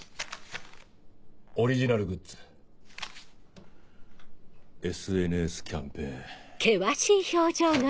オリジナルグッズＳＮＳキャンペーン。